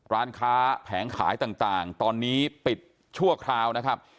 ร้านค้าแผงขายต่างตอนนี้ปิดชั่วคราวนะครับ